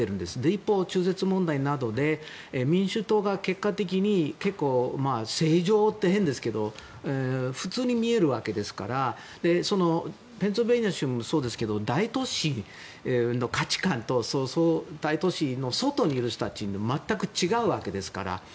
一方、中絶問題などで民主党が結果的に結構、正常って変ですけど普通に見えるわけですからペンシルベニア州もそうですが大都市の価値観と大都市の外にいる人たちでは全く違うわけですから。